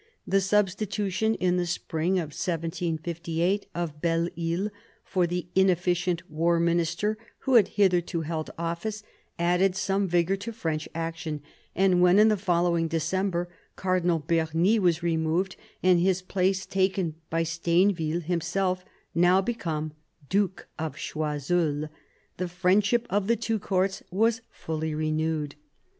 The substitution, in the spring of 1758, of Belleisle for the inefficient war minister who had hitherto held office, added some vigour to French action ; and when, in the following December, Cardinal Bernis was removed, and his place taken by Stainville himself, now become Duke of Choiseul, the friendship of the two courts was fully renewed.